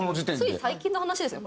つい最近の話ですよね